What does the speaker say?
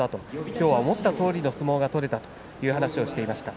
きょうは思ったとおりの相撲が取れたと話していました。